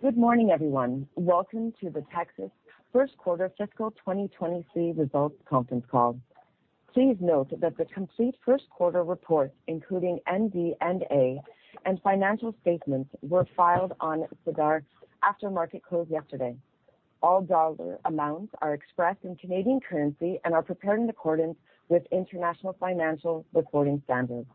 Good morning, everyone. Welcome to the Tecsys first quarter fiscal 2023 results conference call. Please note that the complete first quarter report, including MD&A and financial statements were filed on SEDAR after market close yesterday. All dollar amounts are expressed in Canadian currency and are prepared in accordance with International Financial Reporting Standards.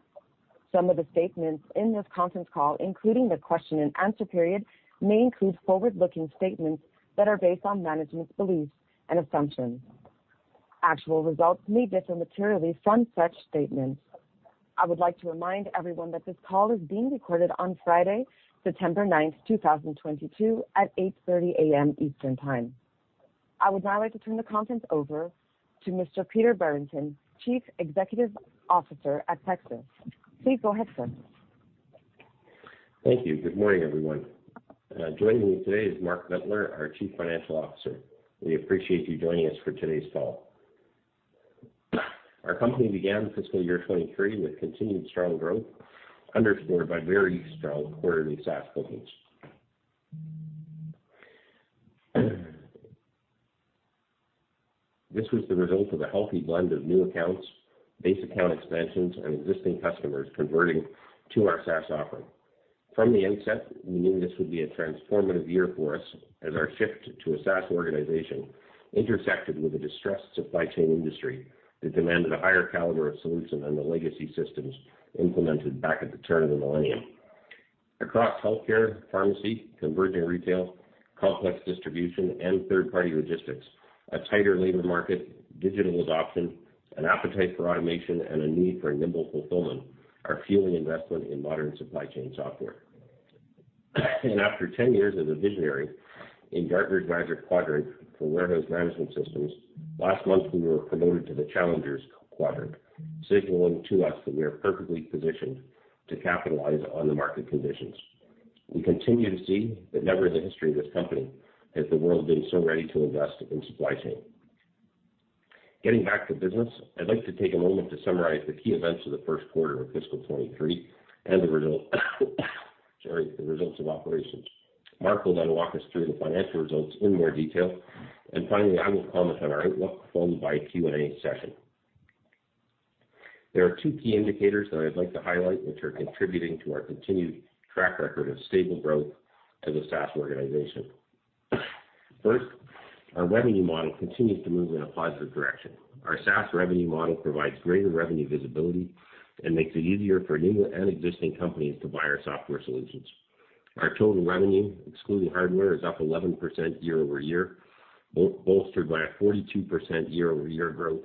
Some of the statements in this conference call, including the question-and-answer period, may include forward-looking statements that are based on management's beliefs and assumptions. Actual results may differ materially from such statements. I would like to remind everyone that this call is being recorded on Friday, September 9, 2022 at 8:30 A.M. Eastern Time. I would now like to turn the conference over to Mr. Peter Brereton, Chief Executive Officer at Tecsys. Please go ahead, sir. Thank you. Good morning, everyone. Joining me today is Mark Bentler, our Chief Financial Officer. We appreciate you joining us for today's call. Our company began fiscal year 2023 with continued strong growth, underscored by very strong quarterly SaaS bookings. This was the result of a healthy blend of new accounts, base account expansions, and existing customers converting to our SaaS offering. From the onset, we knew this would be a transformative year for us as our shift to a SaaS organization intersected with a distressed supply chain industry that demanded a higher caliber of solution than the legacy systems implemented back at the turn of the millennium. Across healthcare, pharmacy, converging retail, complex distribution, and third-party logistics, a tighter labor market, digital adoption, an appetite for automation, and a need for nimble fulfillment are fueling investment in modern supply chain software. After 10 years as a visionary in Gartner's Magic Quadrant for warehouse management systems, last month, we were promoted to the Challengers Quadrant, signaling to us that we are perfectly positioned to capitalize on the market conditions. We continue to see that never in the history of this company has the world been so ready to invest in supply chain. Getting back to business, I'd like to take a moment to summarize the key events of the first quarter of fiscal 2023 and the results of operations. Mark will then walk us through the financial results in more detail, and finally, I will comment on our outlook followed by a Q&A session. There are two key indicators that I'd like to highlight, which are contributing to our continued track record of stable growth as a SaaS organization. First, our revenue model continues to move in a positive direction. Our SaaS revenue model provides greater revenue visibility and makes it easier for new and existing companies to buy our software solutions. Our total revenue, excluding hardware, is up 11% year-over-year, bolstered by a 42% year-over-year growth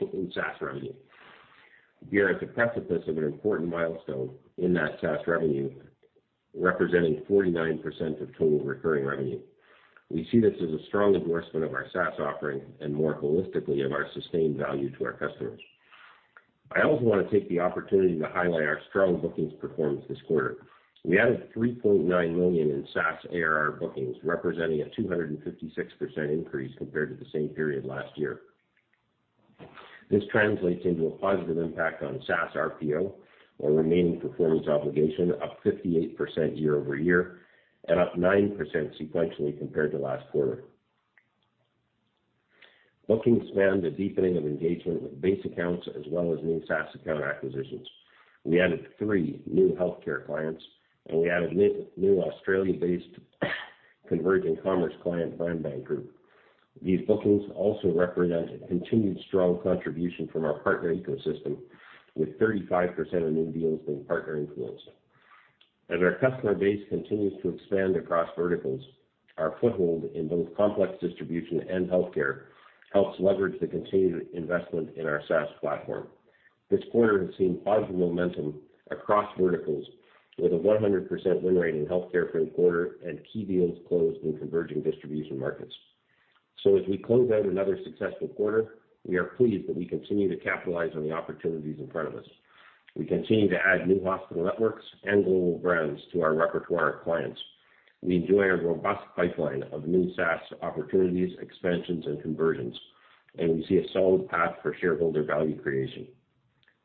in SaaS revenue. We are at the precipice of an important milestone in that SaaS revenue, representing 49% of total recurring revenue. We see this as a strong endorsement of our SaaS offering and more holistically of our sustained value to our customers. I also want to take the opportunity to highlight our strong bookings performance this quarter. We added 3.9 million in SaaS ARR bookings, representing a 256% increase compared to the same period last year. This translates into a positive impact on SaaS RPO or Remaining Performance Obligation, up 58% year-over-year and up 9% sequentially compared to last quarter. Bookings span the deepening of engagement with base accounts as well as new SaaS account acquisitions. We added 3 new healthcare clients, and we added new Australia-based converging commerce client, FindMy Group. These bookings also represent a continued strong contribution from our partner ecosystem, with 35% of new deals being partner-influenced. As our customer base continues to expand across verticals, our foothold in both complex distribution and healthcare helps leverage the continued investment in our SaaS platform. This quarter has seen positive momentum across verticals with a 100% win rate in healthcare for the quarter and key deals closed in converging distribution markets. As we close out another successful quarter, we are pleased that we continue to capitalize on the opportunities in front of us. We continue to add new hospital networks and global brands to our repertoire of clients. We enjoy a robust pipeline of new SaaS opportunities, expansions, and conversions, and we see a solid path for shareholder value creation.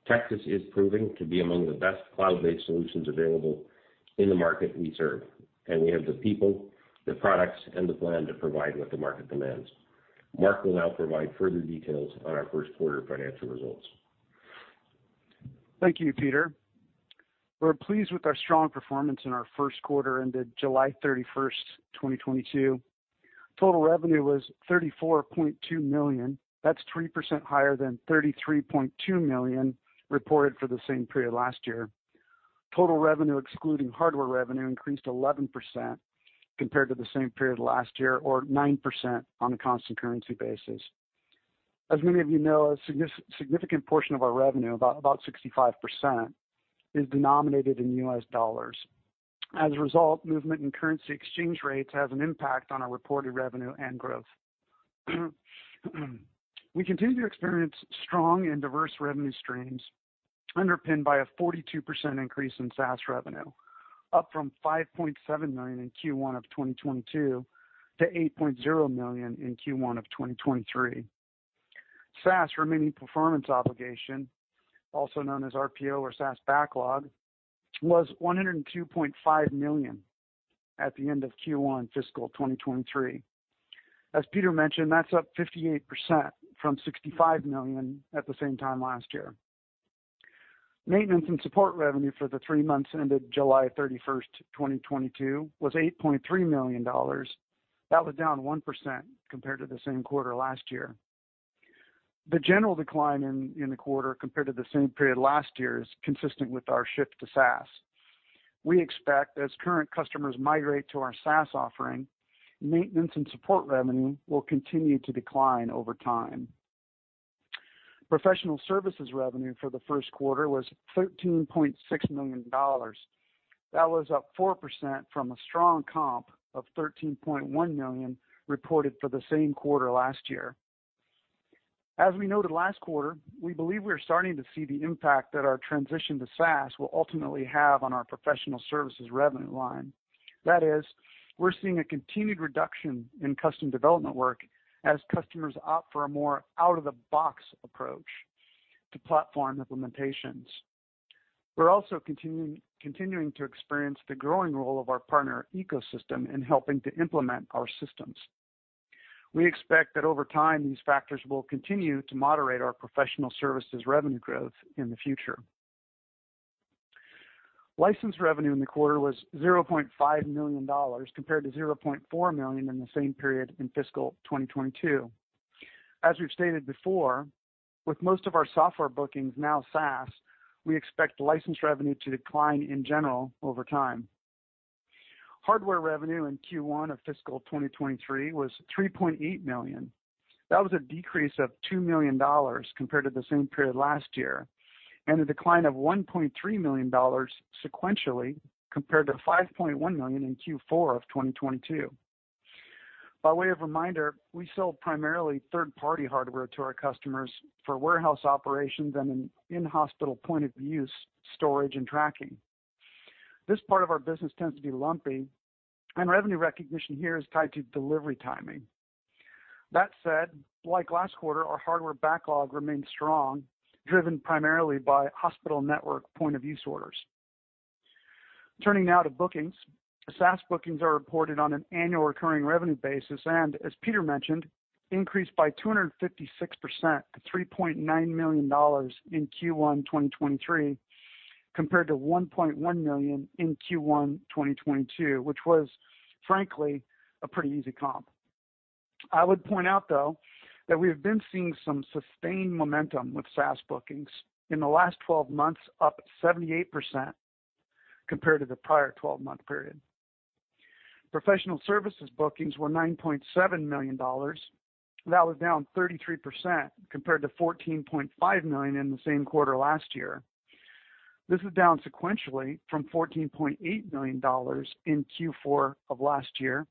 Tecsys is proving to be among the best cloud-based solutions available in the market we serve, and we have the people, the products, and the plan to provide what the market demands. Mark will now provide further details on our first quarter financial results. Thank you, Peter. We're pleased with our strong performance in our first quarter ended July 31, 2022. Total revenue was 34.2 million. That's 3% higher than 33.2 million reported for the same period last year. Total revenue, excluding hardware revenue, increased 11% compared to the same period last year or 9% on a constant currency basis. As many of you know, a significant portion of our revenue, about 65%, is denominated in U.S. dollars. As a result, movement in currency exchange rates has an impact on our reported revenue and growth. We continue to experience strong and diverse revenue streams underpinned by a 42% increase in SaaS revenue, up from 5.7 million in Q1 of 2022 to 8.0 million in Q1 of 2023. SaaS Remaining Performance Obligation, also known as RPO or SaaS backlog, was 102.5 million at the end of Q1 fiscal 2023. As Peter mentioned, that's up 58% from 65 million at the same time last year. Maintenance and support revenue for the 3 months ended July 31, 2022 was 8.3 million dollars. That was down 1% compared to the same quarter last year. The general decline in the quarter compared to the same period last year is consistent with our shift to SaaS. We expect as current customers migrate to our SaaS offering, maintenance and support revenue will continue to decline over time. Professional services revenue for the first quarter was 13.6 million dollars. That was up 4% from a strong comp of 13.1 million reported for the same quarter last year. As we noted last quarter, we believe we are starting to see the impact that our transition to SaaS will ultimately have on our professional services revenue line. That is, we're seeing a continued reduction in custom development work as customers opt for a more out-of-the-box approach to platform implementations. We're also continuing to experience the growing role of our partner ecosystem in helping to implement our systems. We expect that over time, these factors will continue to moderate our professional services revenue growth in the future. License revenue in the quarter was 0.5 million dollars, compared to 0.4 million in the same period in fiscal 2022. As we've stated before, with most of our software bookings now SaaS, we expect license revenue to decline in general over time. Hardware revenue in Q1 of fiscal 2023 was 3.8 million. That was a decrease of 2 million dollars compared to the same period last year, and a decline of 1.3 million dollars sequentially compared to 5.1 million in Q4 of 2022. By way of reminder, we sell primarily third-party hardware to our customers for warehouse operations and in-hospital point-of-use storage and tracking. This part of our business tends to be lumpy, and revenue recognition here is tied to delivery timing. That said, like last quarter, our hardware backlog remains strong, driven primarily by hospital network point of view orders. Turning now to bookings. SaaS bookings are reported on an annual recurring revenue basis, and as Peter mentioned, increased by 256% to 3.9 million dollars in Q1 2023, compared to 1.1 million in Q1 2022, which was frankly a pretty easy comp. I would point out, though, that we have been seeing some sustained momentum with SaaS bookings in the last 12 months, up 78% compared to the prior 12-month period. Professional services bookings were 9.7 million dollars. That was down 33% compared to 14.5 million in the same quarter last year. This is down sequentially from 14.8 million dollars in Q4 of last year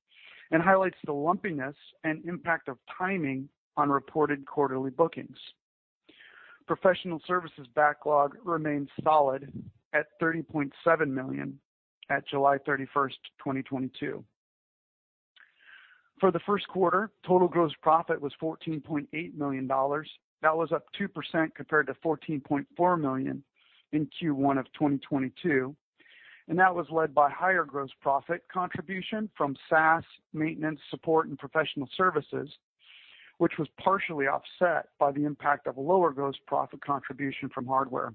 and highlights the lumpiness and impact of timing on reported quarterly bookings. Professional services backlog remains solid at 30.7 million at July 31, 2022. For the first quarter, total gross profit was 14.8 million dollars. That was up 2% compared to 14.4 million in Q1 of 2022, and that was led by higher gross profit contribution from SaaS maintenance, support, and professional services, which was partially offset by the impact of lower gross profit contribution from hardware.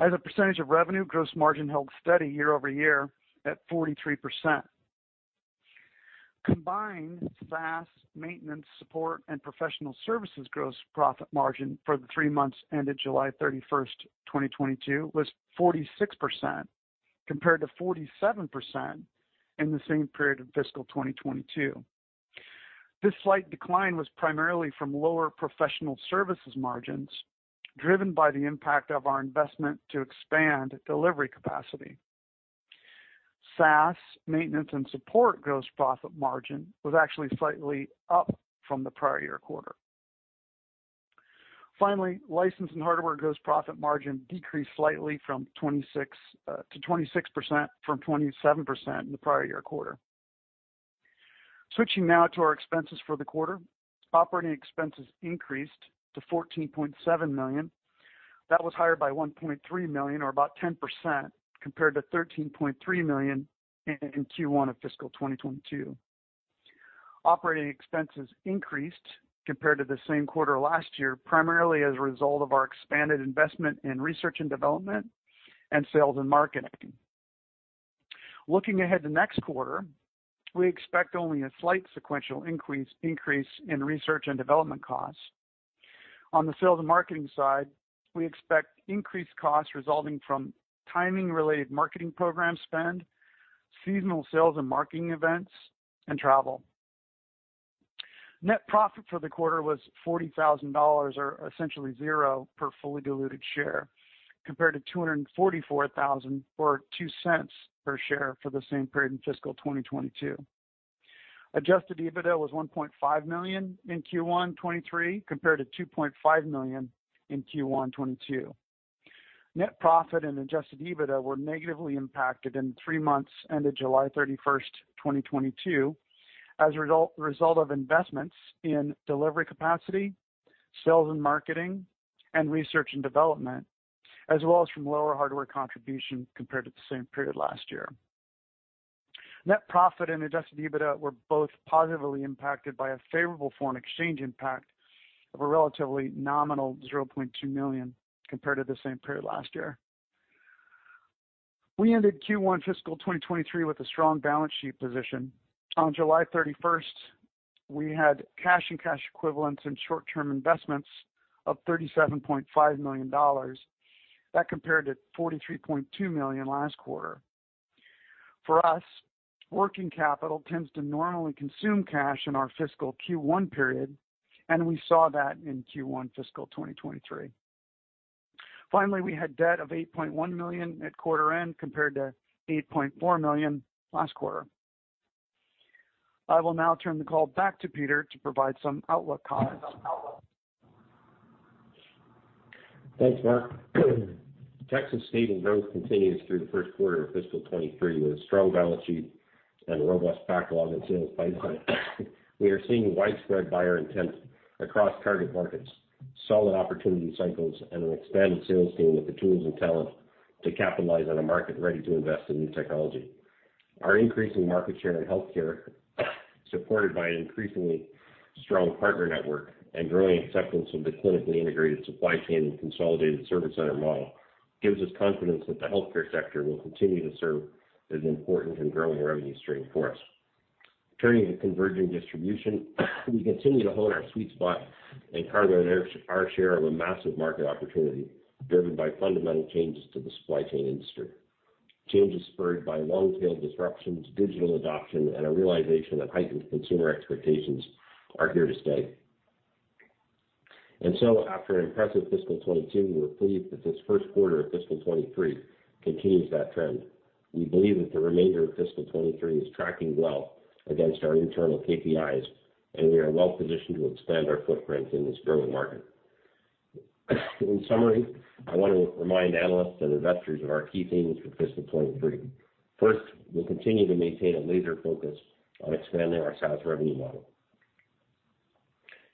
As a percentage of revenue, gross margin held steady year-over-year at 43%. Combined SaaS maintenance, support, and professional services gross profit margin for the three months ended July 31, 2022 was 46%, compared to 47% in the same period of fiscal 2022. This slight decline was primarily from lower professional services margins, driven by the impact of our investment to expand delivery capacity. SaaS maintenance and support gross profit margin was actually slightly up from the prior year quarter. Finally, license and hardware gross profit margin decreased slightly to 26% from 27% in the prior year quarter. Switching now to our expenses for the quarter. Operating expenses increased to 14.7 million. That was higher by 1.3 million, or about 10%, compared to 13.3 million in Q1 of fiscal 2022. Operating expenses increased compared to the same quarter last year, primarily as a result of our expanded investment in research and development and sales and marketing. Looking ahead to next quarter, we expect only a slight sequential increase in research and development costs. On the sales and marketing side, we expect increased costs resulting from timing-related marketing program spend, seasonal sales and marketing events, and travel. Net profit for the quarter was 40,000 dollars or essentially 0 per fully diluted share, compared to 244,000 or 0.02 per share for the same period in fiscal 2022. Adjusted EBITDA was 1.5 million in Q1 2023, compared to 2.5 million in Q1 2022. Net profit and adjusted EBITDA were negatively impacted in three months ended July 31st, 2022 as a result of investments in delivery capacity, sales and marketing, and research and development, as well as from lower hardware contribution compared to the same period last year. Net profit and adjusted EBITDA were both positively impacted by a favorable foreign exchange impact of a relatively nominal 0.2 million compared to the same period last year. We ended Q1 fiscal 2023 with a strong balance sheet position. On July 31st, we had cash and cash equivalents in short-term investments of 37.5 million dollars. That compared to 43.2 million last quarter. For us, working capital tends to normally consume cash in our fiscal Q1 period, and we saw that in Q1 fiscal 2023. Finally, we had debt of 8.1 million at quarter end, compared to 8.4 million last quarter. I will now turn the call back to Peter to provide some outlook comments. Thanks, Mark. Tecsys stable growth continues through the first quarter of fiscal 2023 with a strong balance sheet and a robust backlog and sales pipeline. We are seeing widespread buyer intent across target markets, solid opportunity cycles, and an expanded sales team with the tools and talent to capitalize on a market ready to invest in new technology. Our increasing market share in healthcare, supported by an increasingly strong partner network and growing acceptance of the clinically integrated supply chain and consolidated service center model, gives us confidence that the healthcare sector will continue to serve as an important and growing revenue stream for us. Turning to converging distribution, we continue to hone our sweet spot and carve our share of a massive market opportunity driven by fundamental changes to the supply chain industry. Change is spurred by long tail disruptions, digital adoption, and a realization that heightened consumer expectations are here to stay. After an impressive fiscal 2022, we're pleased that this first quarter of fiscal 2023 continues that trend. We believe that the remainder of fiscal 2023 is tracking well against our internal KPIs, and we are well positioned to expand our footprint in this growing market. In summary, I want to remind analysts and investors of our key themes for fiscal 2023. First, we'll continue to maintain a laser focus on expanding our SaaS revenue model.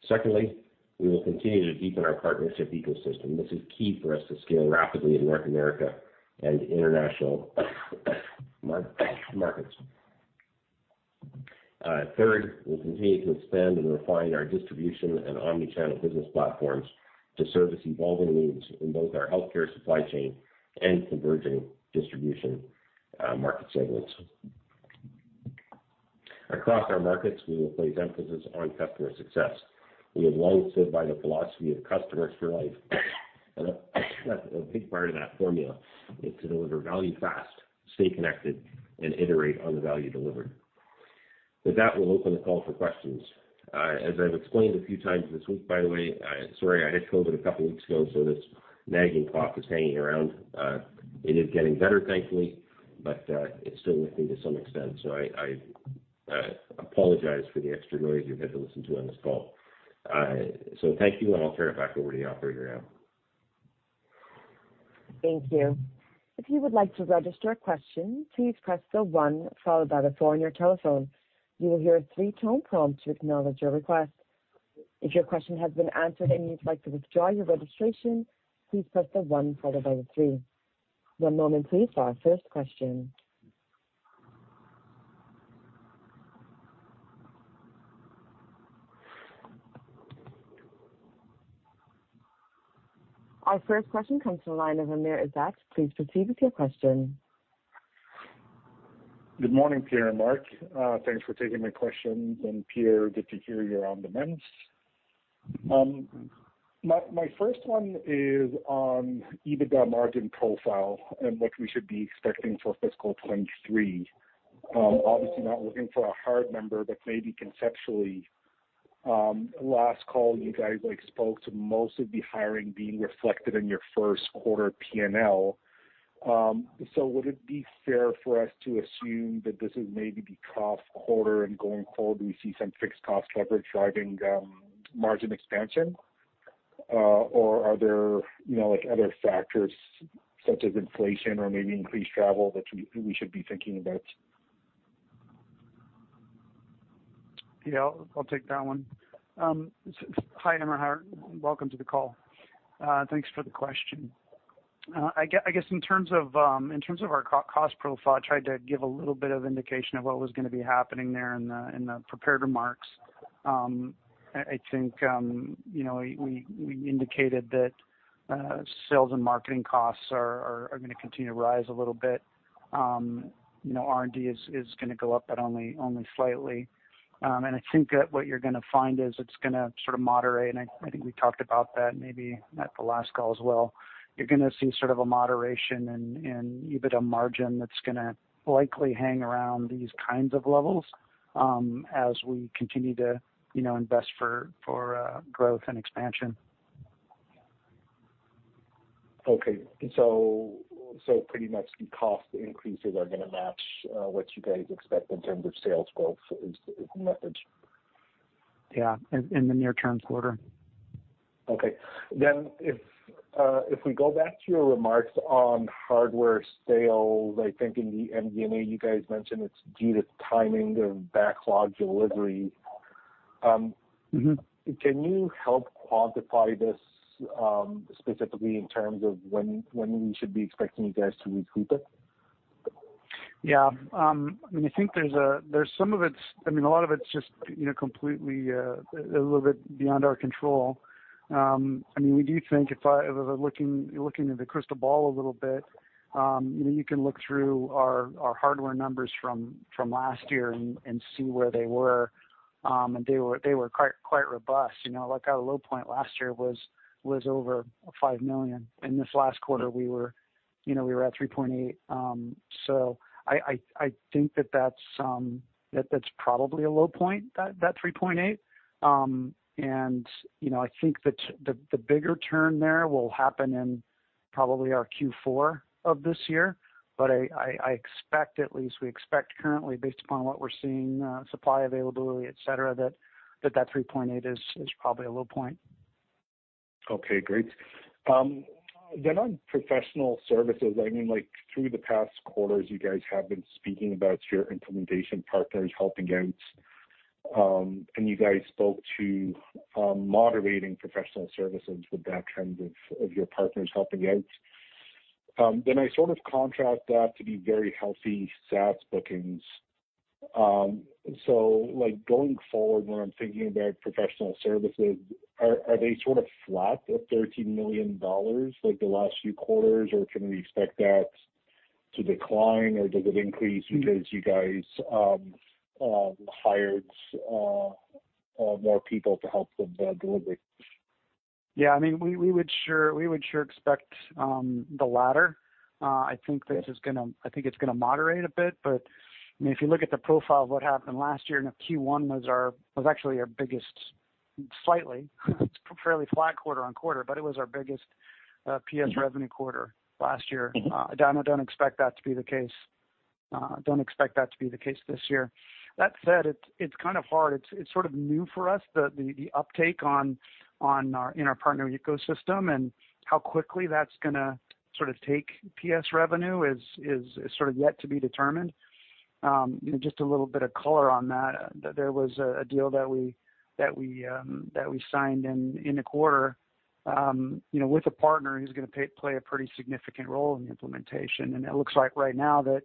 Secondly, we will continue to deepen our partnership ecosystem. This is key for us to scale rapidly in North America and international markets. Third, we'll continue to expand and refine our distribution and omni-channel business platforms to service evolving needs in both our healthcare supply chain and converging distribution market segments. Across our markets, we will place emphasis on customer success. We have long stood by the philosophy of customers for life, and a big part of that formula is to deliver value fast, stay connected, and iterate on the value delivered. With that, we'll open the call for questions. As I've explained a few times this week, by the way, sorry, I had COVID a couple weeks ago, so this nagging cough is hanging around. It is getting better, thankfully, but it's still with me to some extent. I apologize for the extra noise you've had to listen to on this call. Thank you, and I'll turn it back over to the operator now. Thank you. If you would like to register a question, please press the one followed by the four on your telephone. You will hear a key tone prompt to acknowledge your request. If your question has been answered and you'd like to withdraw your registration, please press the one followed by the three. One moment please for our first question. Our first question comes from the line of Amr Ezzat. Please proceed with your question. Good morning, Peter and Mark. Thanks for taking my questions. Peter, good to hear you're on the mend. My first one is on EBITDA margin profile and what we should be expecting for fiscal 2023. Obviously not looking for a hard number, but maybe conceptually. Last call, you guys, like, spoke to most of the hiring being reflected in your first quarter P&L. So would it be fair for us to assume that this is maybe the trough quarter and going forward we see some fixed cost leverage driving margin expansion? Or are there, you know, like, other factors such as inflation or maybe increased travel that we should be thinking about? Yeah, I'll take that one. Hi, Amr. Welcome to the call. Thanks for the question. I guess in terms of our cost profile, I tried to give a little bit of indication of what was gonna be happening there in the prepared remarks. I think, you know, we indicated that sales and marketing costs are gonna continue to rise a little bit. You know, R&D is gonna go up but only slightly. I think that what you're gonna find is it's gonna sort of moderate. I think we talked about that maybe at the last call as well. You're gonna see sort of a moderation in EBITDA margin that's gonna likely hang around these kinds of levels as we continue to, you know, invest for growth and expansion. Okay. Pretty much the cost increases are gonna match what you guys expect in terms of sales growth is the message? Yeah, in the near-term quarter. Okay. If we go back to your remarks on hardware sales, I think in the MD&A, you guys mentioned it's due to timing of backlog delivery. Mm-hmm. Can you help quantify this, specifically in terms of when we should be expecting you guys to recoup it? Yeah. I mean, I think there's some of it's. I mean, a lot of it's just, you know, completely a little bit beyond our control. I mean, we do think if we're looking into crystal ball a little bit, you know, you can look through our hardware numbers from last year and see where they were. They were quite robust. You know, like our low point last year was over 5 million. In this last quarter, we were, you know, at 3.8 million. So I think that's probably a low point, that 3.8 million. You know, I think the bigger turn there will happen in probably our Q4 of this year. I expect, at least we expect currently based upon what we're seeing, supply availability, et cetera, that 3.8 million is probably a low point. Okay, great. On professional services, I mean, like through the past quarters, you guys have been speaking about your implementation partners helping out. You guys spoke to moderating professional services with that trend of your partners helping out. I sort of contrast that to be very healthy SaaS bookings. Like going forward, when I'm thinking about professional services, are they sort of flat at 13 million dollars like the last few quarters, or can we expect that to decline, or does it increase because you guys hired more people to help with the delivery? Yeah, I mean, we would sure expect the latter. I think it's gonna moderate a bit. I mean, if you look at the profile of what happened last year and Q1 was actually our biggest, slightly fairly flat quarter-over-quarter, but it was our biggest PS revenue quarter last year. Mm-hmm. I don't expect that to be the case this year. That said, it's kind of hard. It's sort of new for us, the uptake in our partner ecosystem and how quickly that's gonna sort of take PS revenue is sort of yet to be determined. You know, just a little bit of color on that. There was a deal that we signed in the quarter, you know, with a partner who's gonna play a pretty significant role in the implementation. It looks like right now that,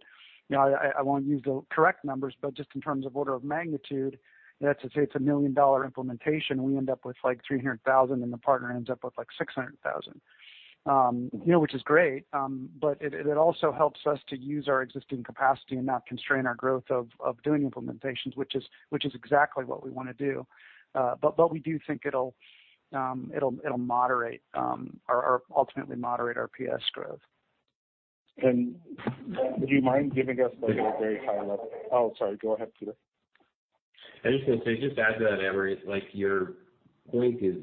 you know, I won't use the correct numbers, but just in terms of order of magnitude, let's just say it's a million-dollar implementation, we end up with like 300,000, and the partner ends up with like 600,000. You know, which is great, but it also helps us to use our existing capacity and not constrain our growth of doing implementations, which is exactly what we wanna do. But we do think it'll moderate or ultimately moderate our PS growth. Would you mind giving us like a very high level. Oh, sorry, go ahead, Peter. I was just gonna say, just to add to that, Amr, like your point is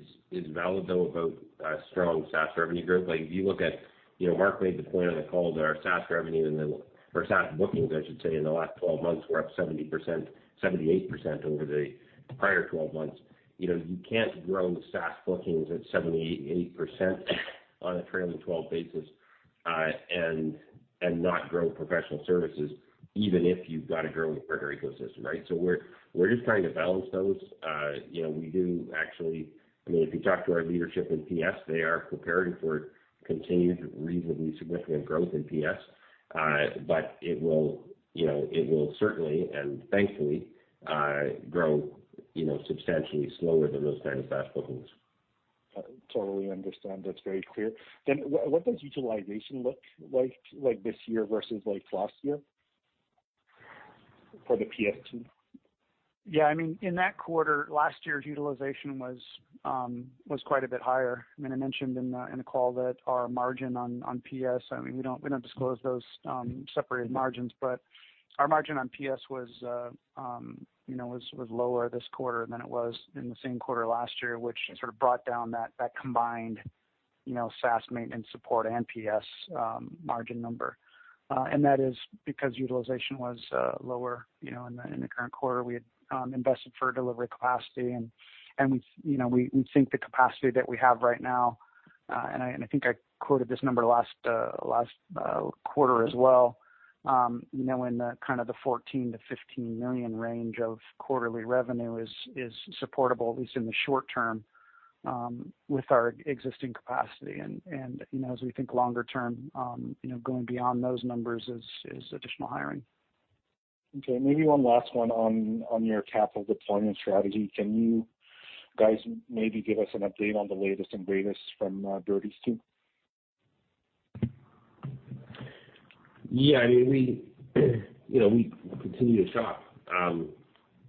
valid though about strong SaaS revenue growth. Like, if you look at, you know, Mark made the point on the call that our SaaS revenue or SaaS bookings, I should say, in the last 12 months were up 70%, 78% over the prior 12 months. You know, you can't grow the SaaS bookings at 70, 88% on a trailing twelve basis and not grow professional services, even if you've got a growing partner ecosystem, right? We're just trying to balance those. You know, we do actually. I mean, if you talk to our leadership in PS, they are preparing for continued reasonably significant growth in PS. It will, you know, it will certainly and thankfully, grow, you know, substantially slower than those kind of SaaS bookings. I totally understand. That's very clear. What does utilization look like this year versus like last year for the PS team? Yeah, I mean, in that quarter, last year's utilization was quite a bit higher. I mean, I mentioned in the call that our margin on PS, I mean, we don't disclose those separated margins, but our margin on PS was lower this quarter than it was in the same quarter last year, which sort of brought down that combined SaaS maintenance support and PS margin number. That is because utilization was lower in the current quarter. We had invested for delivery capacity, and we, you know, we think the capacity that we have right now, and I think I quoted this number last quarter as well, you know, in the kind of the 14-15 million range of quarterly revenue is supportable, at least in the short term, with our existing capacity. You know, as we think longer term, you know, going beyond those numbers is additional hiring. Okay. Maybe one last one on your capital deployment strategy. Can you guys maybe give us an update on the latest and greatest from Brady's team? Yeah, I mean, you know, we continue to shop.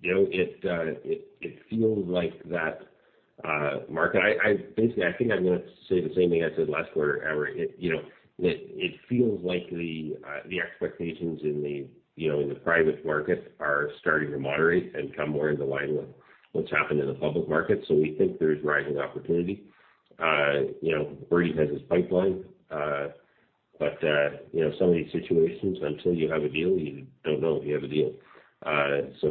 You know, it feels like that, Mark, I basically think I'm gonna say the same thing I said last quarter, Amr. You know, it feels like the expectations in the private market are starting to moderate and come more into line with what's happened in the public market. We think there's rising opportunity. You know, Brady has his pipeline. You know, some of these situations, until you have a deal, you don't know if you have a deal.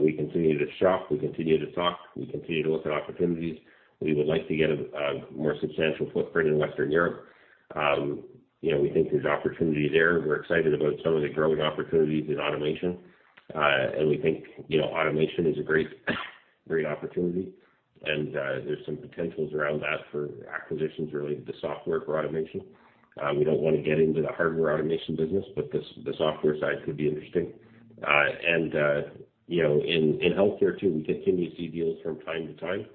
We continue to shop, we continue to talk, we continue to look at opportunities. We would like to get a more substantial footprint in Western Europe. You know, we think there's opportunity there. We're excited about some of the growing opportunities in automation. We think, you know, automation is a great opportunity, and there's some potentials around that for acquisitions related to software for automation. We don't wanna get into the hardware automation business, but the software side could be interesting. You know, in healthcare too, we continue to see deals from time to time.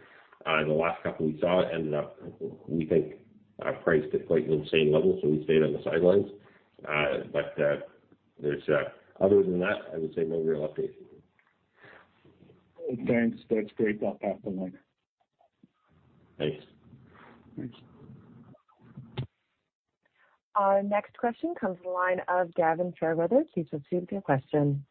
The last couple we saw ended up, we think, priced at quite insane levels, so we stayed on the sidelines. Other than that, I would say no real update. Thanks. That's great. I'll pass the line. Thanks. Thanks. Our next question comes from the line of Gavin Fairweather. Please proceed with your question.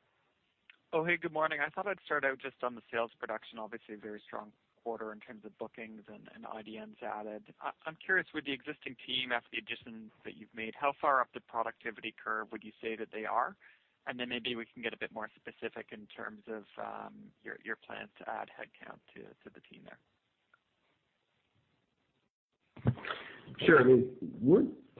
Oh, hey, good morning. I thought I'd start out just on the sales production. Obviously a very strong quarter in terms of bookings and IDNs added. I'm curious, with the existing team, after the additions that you've made, how far up the productivity curve would you say that they are? Then maybe we can get a bit more specific in terms of your plans to add headcount to the team there.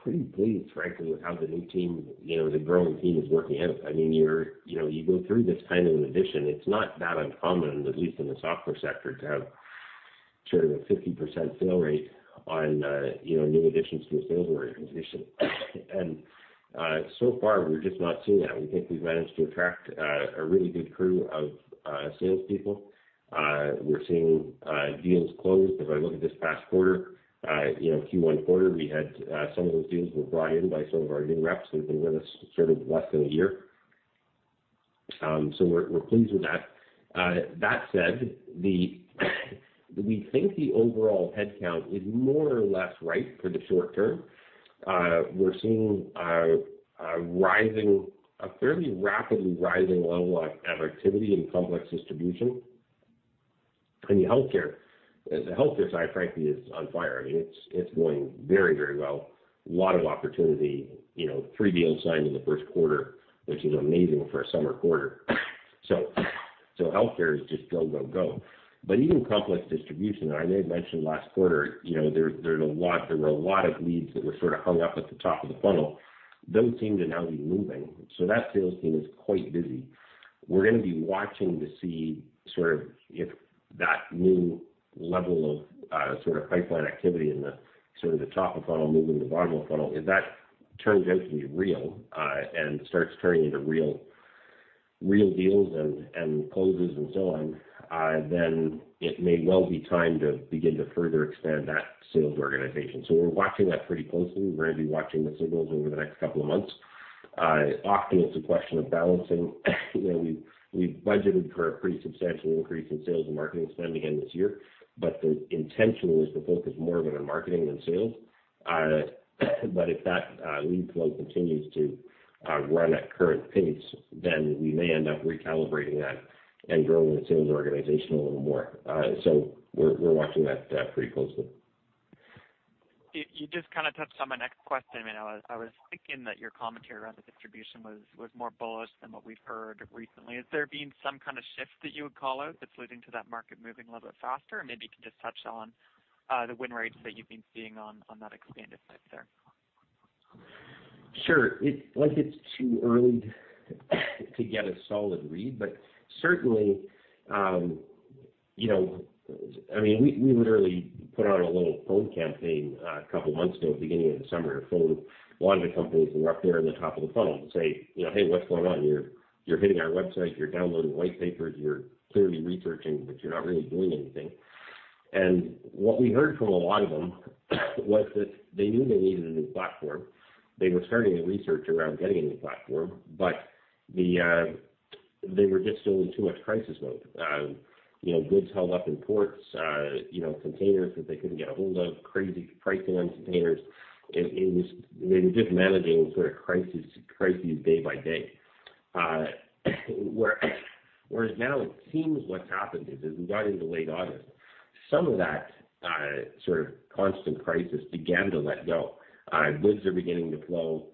Sure. I mean, we're pretty pleased, frankly, with how the new team, you know, the growing team is working out. I mean, you know, you go through this kind of an addition. It's not that uncommon, at least in the software sector, to have sort of a 50% fail rate on, you know, new additions to a sales organization. So far, we're just not seeing that. We think we've managed to attract a really good crew of salespeople. We're seeing deals closed. If I look at this past quarter, you know, Q1 quarter, we had some of those deals were brought in by some of our new reps who've been with us sort of less than a year. So we're pleased with that. That said, we think the overall headcount is more or less right for the short term. We're seeing a fairly rapidly rising level of activity in complex distribution. In the healthcare side, frankly, is on fire. I mean, it's going very, very well. A lot of opportunity, you know, 3 deals signed in the first quarter, which is amazing for a summer quarter. Healthcare is just go, go. But even complex distribution, I know I mentioned last quarter, you know, there were a lot of leads that were sort of hung up at the top of the funnel. Those seem to now be moving, so that sales team is quite busy. We're gonna be watching to see sort of if that new level of sort of pipeline activity in the sort of the top of funnel moving to the bottom of the funnel, if that turns out to be real and starts turning into real deals and closes and so on, then it may well be time to begin to further expand that sales organization. We're watching that pretty closely. We're gonna be watching the signals over the next couple of months. Often it's a question of balancing. We budgeted for a pretty substantial increase in sales and marketing spend again this year, but the intention was to focus more on our marketing than sales. If that lead flow continues to run at current pace, then we may end up recalibrating that and growing the sales organization a little more. We're watching that pretty closely. You just kinda touched on my next question. I mean, I was thinking that your commentary around the distribution was more bullish than what we've heard recently. Has there been some kinda shift that you would call out that's leading to that market moving a little bit faster? Maybe you can just touch on the win rates that you've been seeing on that expanded side there. Sure. Like, it's too early to get a solid read, but certainly, you know. I mean, we literally put out a little phone campaign a couple months ago at the beginning of the summer, phoned a lot of the companies who were up there in the top of the funnel to say, you know, "Hey, what's going on? You're hitting our website, you're downloading white papers, you're clearly researching, but you're not really doing anything." What we heard from a lot of them was that they knew they needed a new platform. They were starting the research around getting a new platform, but they were just still in too much crisis mode. You know, goods held up in ports, you know, containers that they couldn't get a hold of, crazy pricing on containers. They were just managing sort of crises day by day. Whereas now it seems what's happened is, as we got into late August, some of that sort of constant crisis began to let go. Goods are beginning to flow.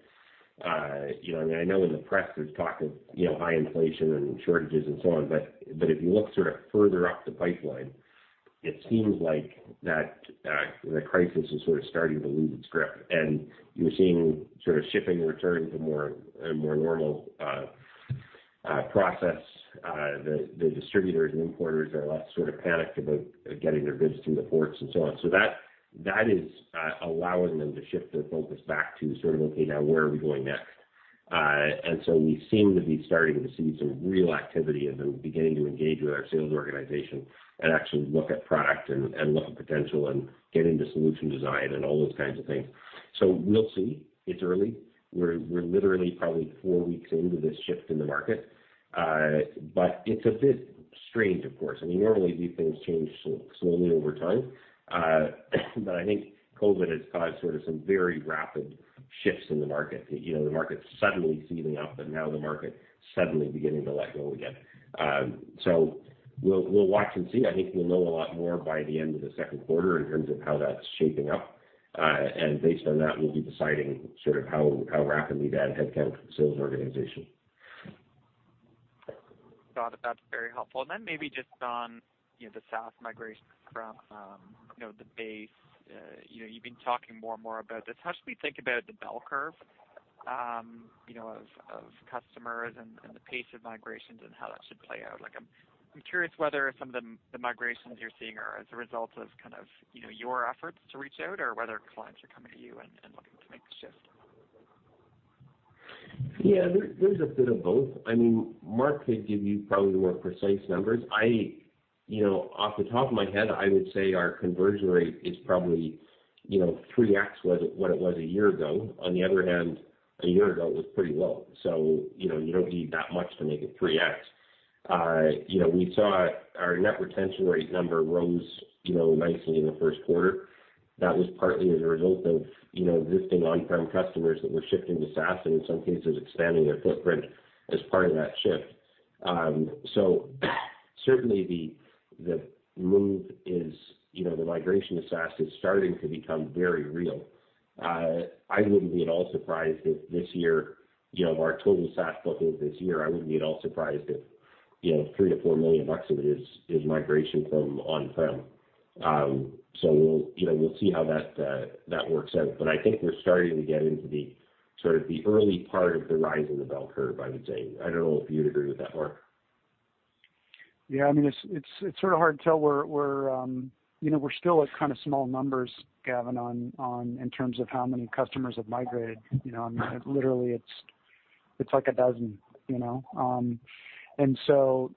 You know, and I know in the press there's talk of, you know, high inflation and shortages and so on, but if you look sort of further up the pipeline, it seems like that the crisis is sort of starting to lose its grip, and you're seeing sort of shipping return to a more normal process. The distributors and importers are less sort of panicked about getting their goods through the ports and so on. That is allowing them to shift their focus back to sort of, okay, now where are we going next? We seem to be starting to see some real activity of them beginning to engage with our sales organization and actually look at product and look at potential and get into solution design and all those kinds of things. We'll see. It's early. We're literally probably four weeks into this shift in the market. It's a bit strange, of course. I mean, normally these things change slowly over time. I think COVID has caused sort of some very rapid shifts in the market. You know, the market suddenly heating up and now the market suddenly beginning to let go again. We'll watch and see. I think we'll know a lot more by the end of the second quarter in terms of how that's shaping up. Based on that, we'll be deciding sort of how rapidly to add headcount to the sales organization. Got it. That's very helpful. Maybe just on, you know, the SaaS migration from, you know, the base, you know, you've been talking more and more about this. How should we think about the bell curve, you know, of customers and the pace of migrations and how that should play out? Like, I'm curious whether some of the migrations you're seeing are as a result of kind of, you know, your efforts to reach out or whether clients are coming to you and looking to make the shift. Yeah. There's a bit of both. I mean, Mark could give you probably the more precise numbers. You know, off the top of my head, I would say our conversion rate is probably, you know, 3x what it was a year ago. On the other hand, a year ago, it was pretty low, so you know, you don't need that much to make it 3x. You know, we saw our net retention rate number rose, you know, nicely in the first quarter. That was partly as a result of, you know, existing on-prem customers that were shifting to SaaS and in some cases expanding their footprint as part of that shift. Certainly the move is, you know, the migration to SaaS is starting to become very real. I wouldn't be at all surprised if this year, you know, our total SaaS bookings this year, I wouldn't be at all surprised if, you know, 3 million-4 million bucks of it is migration from on-prem. We'll, you know, we'll see how that works out. I think we're starting to get into the sort of the early part of the rise in the bell curve, I would say. I don't know if you'd agree with that, Mark. Yeah. I mean, it's sort of hard to tell. You know, we're still at kind of small numbers, Gavin, in terms of how many customers have migrated, you know? I mean, literally it's like a dozen, you know? You know,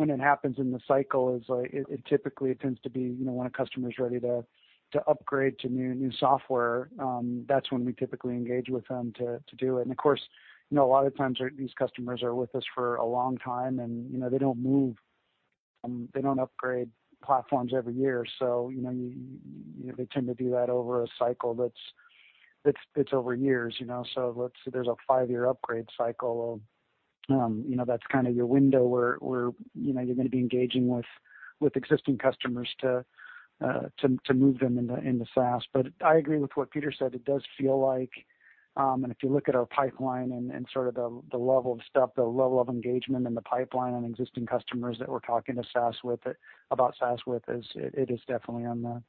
when it happens in the cycle, it typically tends to be, you know, when a customer's ready to upgrade to new software, that's when we typically engage with them to do it. Of course, you know, a lot of times these customers are with us for a long time and, you know, they don't move. They don't upgrade platforms every year. You know, they tend to do that over a cycle that's over years, you know? Let's say there's a 5-year upgrade cycle, you know, that's kind of your window where you know, you're gonna be engaging with existing customers to move them into SaaS. I agree with what Peter said. It does feel like if you look at our pipeline and sort of the level of stuff, the level of engagement in the pipeline on existing customers that we're talking about SaaS with is definitely on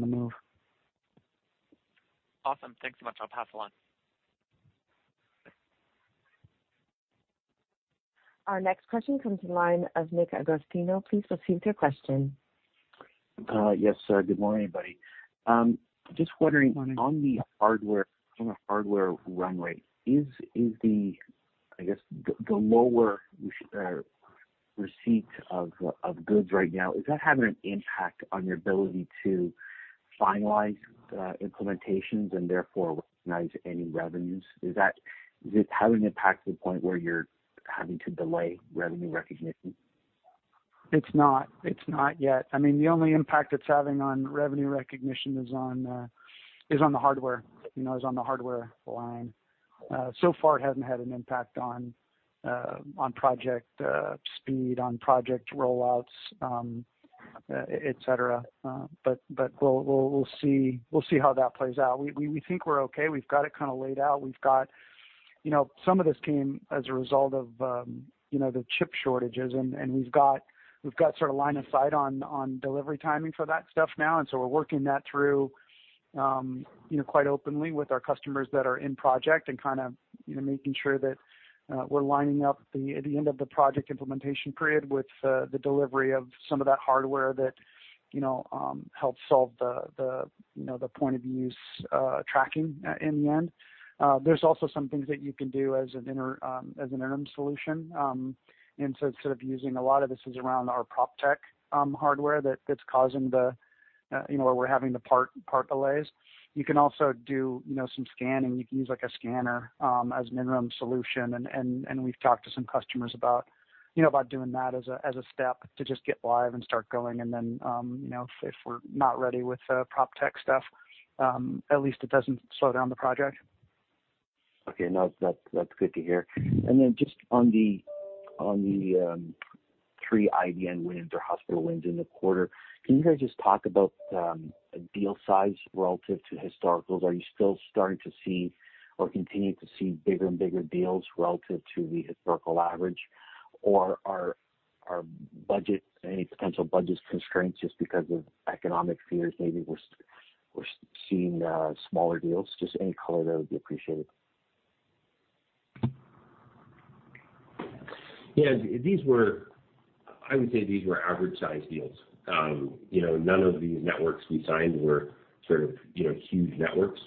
the move. Awesome. Thanks so much. I'll pass along. Our next question comes from the line of Nick Agostino. Please proceed with your question. Yes, sir. Good morning, everybody. Just wondering. Good morning. On the hardware runway, is the, I guess, the lower shortage or receipt of goods right now having an impact on your ability to finalize implementations and therefore recognize any revenues? Is it having impact to the point where you're having to delay revenue recognition? It's not. It's not yet. I mean, the only impact it's having on revenue recognition is on the hardware, you know, is on the hardware line. So far it hasn't had an impact on project speed, on project rollouts, et cetera. We'll see how that plays out. We think we're okay. We've got it kinda laid out. We've got it. You know, some of this came as a result of the chip shortages, and we've got sort of line of sight on delivery timing for that stuff now, and so we're working that through, you know, quite openly with our customers that are in project and kinda making sure that we're lining up the end of the project implementation period with the delivery of some of that hardware that helps solve the point of use tracking in the end. There's also some things that you can do as an interim solution. Instead of using a lot of this is around our PropTech hardware that's causing the where we're having the part delays. You can also do, you know, some scanning. You can use like a scanner, as an interim solution and we've talked to some customers about, you know, about doing that as a step to just get live and start going. Then, you know, if we're not ready with the PropTech stuff, at least it doesn't slow down the project. Okay. No, that's good to hear. Just on the three IDN wins or hospital wins in the quarter, can you guys just talk about deal size relative to historical? Are you still starting to see or continuing to see bigger and bigger deals relative to the historical average? Or any potential budget constraints just because of economic fears, maybe we're seeing smaller deals? Just any color there would be appreciated. Yeah. I would say these were average-sized deals. You know, none of these networks we signed were sort of, you know, huge networks.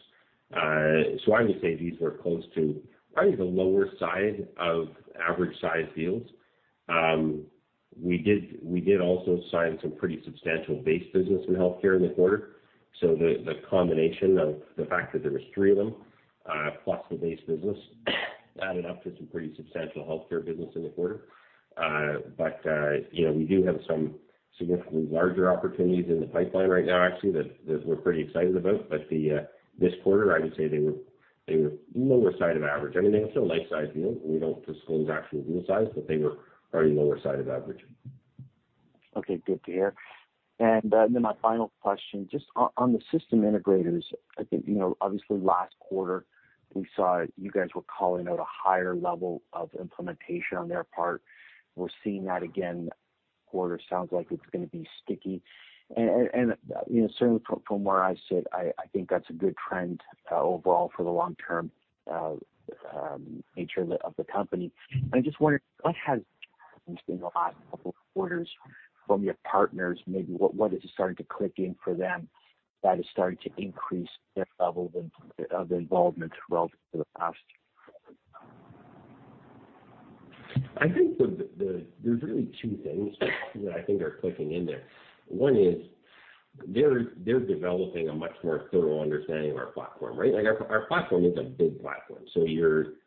I would say these were close to probably the lower side of average-sized deals. We did also sign some pretty substantial base business in healthcare in the quarter. The combination of the fact that there was three of them, plus the base business added up to some pretty substantial healthcare business in the quarter. You know, we do have some significantly larger opportunities in the pipeline right now actually that we're pretty excited about. This quarter, I would say they were lower side of average. I mean, they were still mid-size deals. We don't disclose actual deal size, but they were probably lower side of average. Okay, good to hear. My final question, just on the system integrators, I think, you know, obviously last quarter we saw you guys were calling out a higher level of implementation on their part. We're seeing that again, quarter sounds like it's gonna be sticky. You know, certainly from where I sit, I think that's a good trend overall for the long term nature of the company. I just wondered what has in the last couple of quarters from your partners, maybe what is starting to click in for them that is starting to increase their level of involvement relative to the past? I think there's really two things that I think are clicking in there. One is they're developing a much more thorough understanding of our platform, right? Like our platform is a big platform.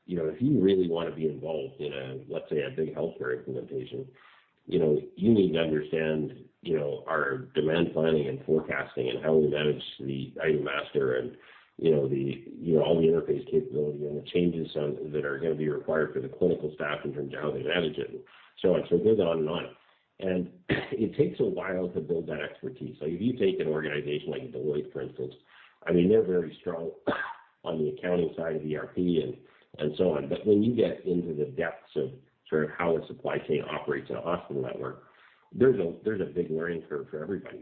You know, if you really wanna be involved in a, let's say, a big healthcare implementation, you know, you need to understand, you know, our demand planning and forecasting and how we manage the item master and, you know, the interface capability and the changes that are gonna be required for the clinical staff in terms of how they manage it, so on. So it goes on and on. It takes a while to build that expertise. So if you take an organization like Deloitte, for instance, I mean, they're very strong on the accounting side of ERP and so on. When you get into the depths of sort of how a supply chain operates in a hospital network, there's a big learning curve for everybody.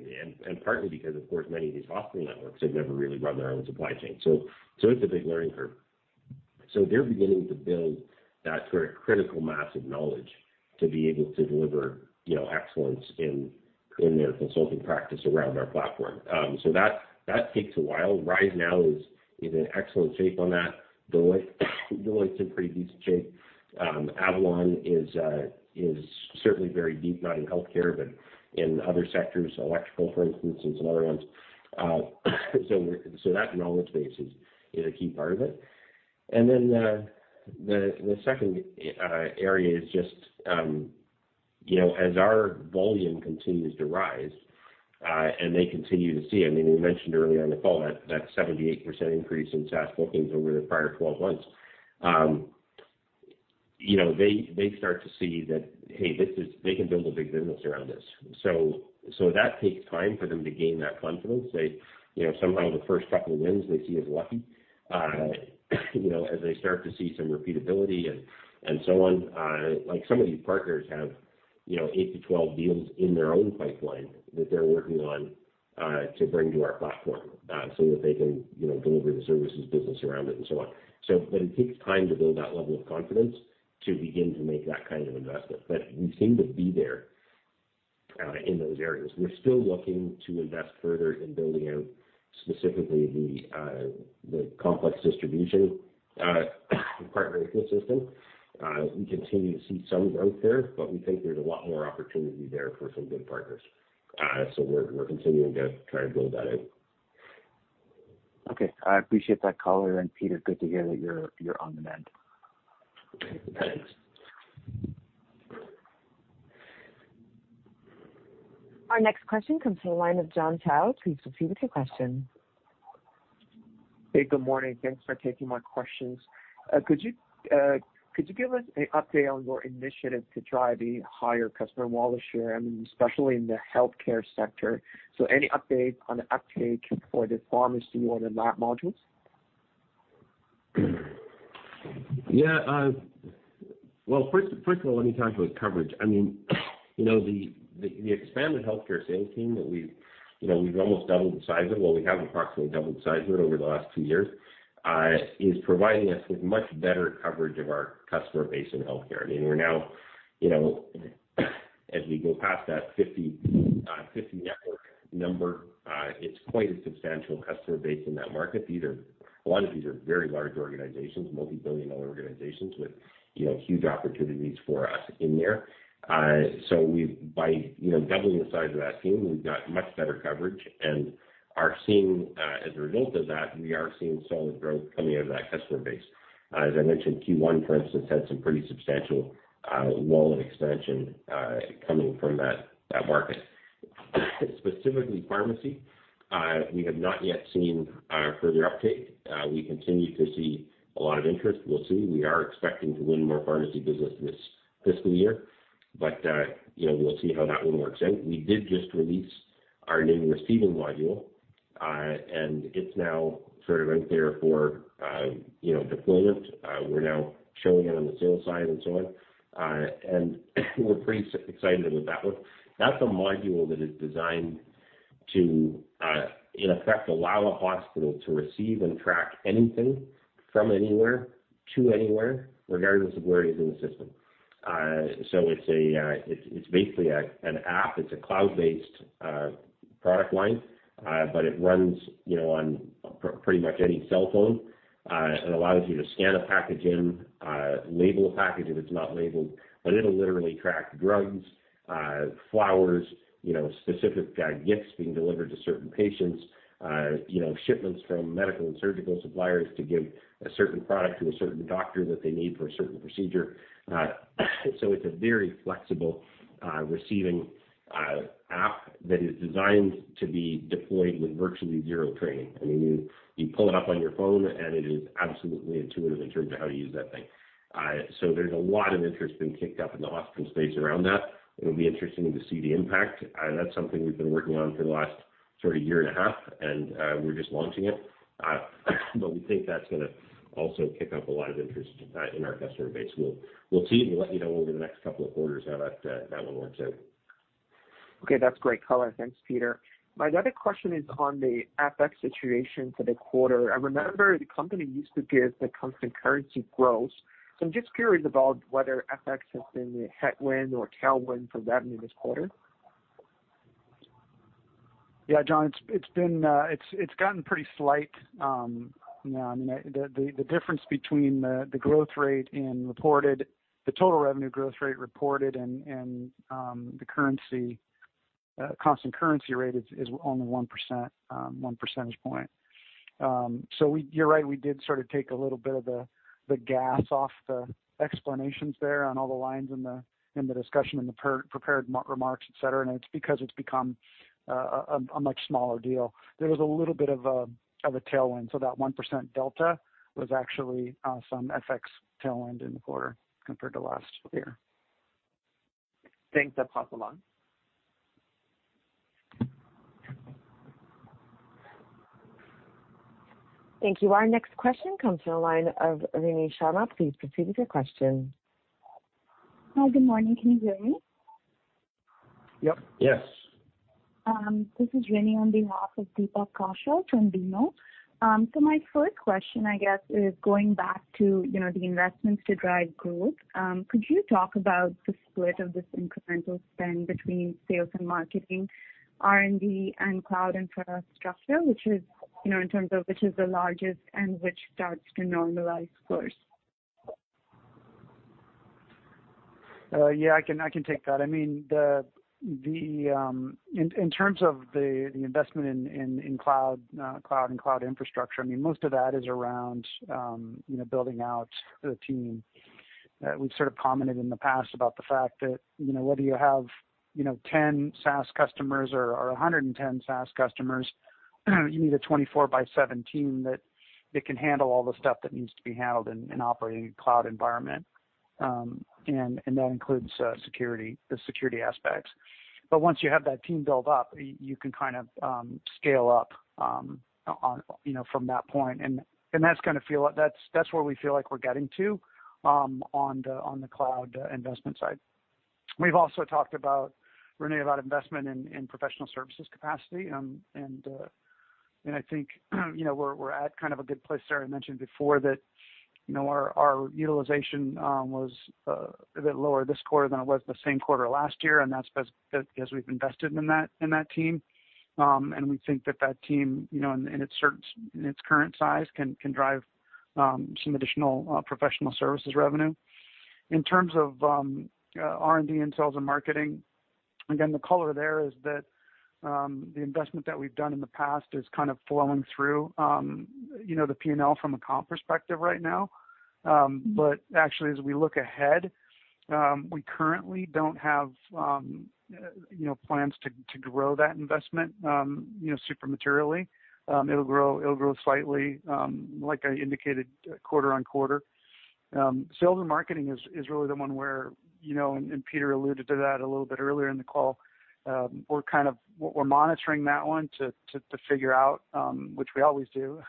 Partly because, of course, many of these hospital networks have never really run their own supply chain, it's a big learning curve. They're beginning to build that sort of critical mass of knowledge to be able to deliver, you know, excellence in their consulting practice around our platform. That takes a while. RiseNow is in excellent shape on that. Deloitte's in pretty decent shape. Avalon is certainly very deep, not in healthcare, but in other sectors, electrical, for instance, and some other ones. That knowledge base is a key part of it. The second area is just, you know, as our volume continues to rise, and they continue to see. I mean, we mentioned earlier in the call that that 78% increase in SaaS bookings over the prior twelve months. You know, they start to see that, hey, this is they can build a big business around this. So that takes time for them to gain that confidence. They, you know, somehow the first couple of wins they see is lucky. You know, as they start to see some repeatability and so on, like some of these partners have, you know, 8-12 deals in their own pipeline that they're working on, to bring to our platform, so that they can, you know, deliver the services business around it and so on. It takes time to build that level of confidence to begin to make that kind of investment. We seem to be there in those areas. We're still looking to invest further in building out specifically the complex distribution partnership system. We continue to see some growth there, but we think there's a lot more opportunity there for some good partners. We're continuing to try to build that out. Okay. I appreciate that color, and Peter, good to hear that you're on the mend. Thanks. Our next question comes from the line of John Shao. Please proceed with your question. Hey, good morning. Thanks for taking my questions. Could you give us an update on your initiative to drive a higher customer wallet share, I mean, especially in the healthcare sector? So any update on the uptake for the pharmacy or the lab modules? Yeah. Well, first of all, let me talk about coverage. I mean, you know, the expanded healthcare sales team that we've, you know, we've almost doubled the size of. Well, we have approximately doubled the size of it over the last two years is providing us with much better coverage of our customer base in healthcare. I mean, we're now, you know, as we go past that 50 network number, it's quite a substantial customer base in that market. These are a lot of these are very large organizations, multi-billion dollar organizations with, you know, huge opportunities for us in there. So we've, by, you know, doubling the size of that team, we've got much better coverage and are seeing, as a result of that, we are seeing solid growth coming out of that customer base. As I mentioned, Q1, for instance, had some pretty substantial wallet expansion coming from that market. Specifically pharmacy, we have not yet seen further uptake. We continue to see a lot of interest. We'll see. We are expecting to win more pharmacy business this fiscal year, but you know, we'll see how that one works out. We did just release our new receiving module, and it's now sort of out there for you know, deployment. We're now showing it on the sales side and so on. And we're pretty excited about that one. That's a module that is designed to in effect, allow a hospital to receive and track anything from anywhere to anywhere, regardless of where it is in the system. So it's basically an app. It's a cloud-based product line, but it runs, you know, on pretty much any cell phone, and allows you to scan a package in, label a package if it's not labeled, but it'll literally track drugs, flowers, you know, specific gifts being delivered to certain patients, you know, shipments from medical and surgical suppliers to give a certain product to a certain doctor that they need for a certain procedure. It's a very flexible receiving app that is designed to be deployed with virtually zero training. I mean, you pull it up on your phone, and it is absolutely intuitive in terms of how to use that thing. There's a lot of interest been kicked up in the hospital space around that. It'll be interesting to see the impact. That's something we've been working on for the last sort of year and a half, and we're just launching it. We think that's gonna also kick up a lot of interest in our customer base. We'll see and we'll let you know over the next couple of quarters how that one works out. Okay. That's great color. Thanks, Peter. My other question is on the FX situation for the quarter. I remember the company used to give the constant currency growth. I'm just curious about whether FX has been a headwind or tailwind for revenue this quarter. Yeah, John, it's gotten pretty slight. You know, I mean, the difference between the total revenue growth rate reported and the constant currency rate is only 1%, one percentage point. You're right, we did sort of take a little bit of the gas off the explanations there on all the lines in the discussion, in the prepared remarks, et cetera, and it's because it's become a much smaller deal. There was a little bit of a tailwind, so that 1% delta was actually some FX tailwind in the quarter compared to last year. Thanks. That's all for now. Thank you. Our next question comes from the line of Rini Sharma. Please proceed with your question. Hi, good morning. Can you hear me? Yep. Yes. This is Rini on behalf of Deepak Kaushal from BMO. My first question, I guess, is going back to, you know, the investments to drive growth. Could you talk about the split of this incremental spend between sales and marketing, R&D and cloud infrastructure, which is, you know, in terms of which is the largest and which starts to normalize first? I can take that. I mean, in terms of the investment in cloud and cloud infrastructure, I mean, most of that is around you know, building out the team. We've sort of commented in the past about the fact that, you know, whether you have you know, 10 SaaS customers or 110 SaaS customers, you need a 24/7 team that can handle all the stuff that needs to be handled in operating a cloud environment. That includes security, the security aspects. But once you have that team built up, you can kind of scale up on, you know, from that point. That's where we feel like we're getting to on the cloud investment side. We've also talked about, Rini, investment in professional services capacity. I think, you know, we're at kind of a good place there. I mentioned before that, you know, our utilization was a bit lower this quarter than it was the same quarter last year, and that's because we've invested in that team. We think that team, you know, in its current size, can drive some additional professional services revenue. In terms of R&D and sales and marketing, again, the color there is that the investment that we've done in the past is kind of flowing through, you know, the P&L from a comp perspective right now. Actually as we look ahead, we currently don't have, you know, plans to grow that investment, you know, super materially. It'll grow slightly, like I indicated, quarter-over-quarter. Sales and marketing is really the one where, you know, and Peter alluded to that a little bit earlier in the call. We're monitoring that one to figure out which we always do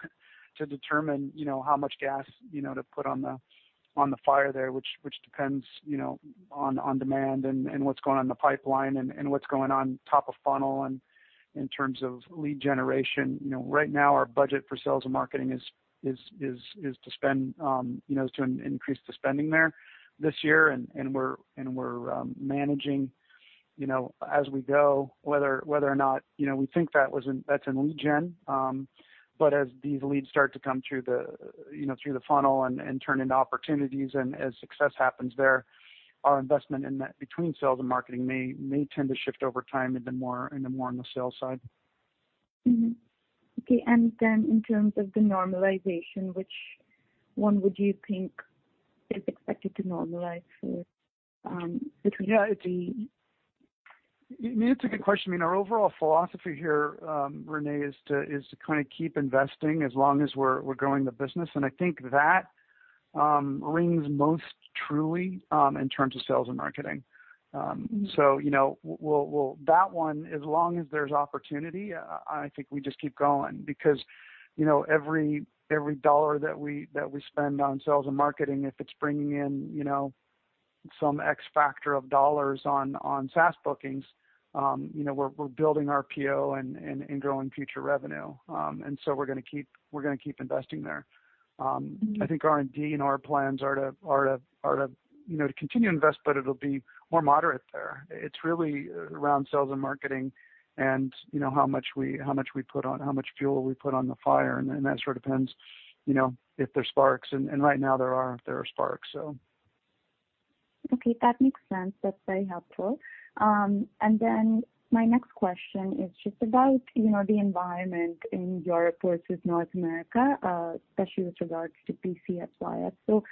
to determine you know how much gas you know to put on the fire there which depends you know on demand and what's going on in the pipeline and what's going on top of funnel and in terms of lead generation. You know right now our budget for sales and marketing is to spend you know is to increase the spending there this year. We're managing you know as we go whether or not you know we think that's in lead gen. As these leads start to come through, you know, the funnel and turn into opportunities and as success happens there, our investment in that between sales and marketing may tend to shift over time into more on the sales side. Mm-hmm. Okay. In terms of the normalization, which one would you think is expected to normalize first, between the R&D. It's a good question. I mean, our overall philosophy here, Rini, is to kind of keep investing as long as we're growing the business. I think that rings most truly in terms of sales and marketing. You know, that one, as long as there's opportunity, I think we just keep going because, you know, every dollar that we spend on sales and marketing, if it's bringing in, you know, some X factor of dollars on SaaS bookings, you know, we're building our RPO and growing future revenue. We're gonna keep investing there. I think R&D and our plans are to continue to invest, but it'll be more moderate there. It's really around sales and marketing and, you know, how much fuel we put on the fire, and then that sort of depends, you know, if there's sparks. Right now there are sparks, so. Okay, that makes sense. That's very helpful. And then my next question is just about, you know, the environment in your core's North America, especially with regards to PC FYF.